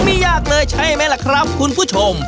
ไม่ยากเลยใช่ไหมล่ะครับคุณผู้ชม